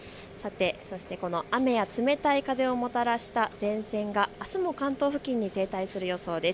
雨や冷たい風をもたらした前線があすも関東付近に停滞する予想です。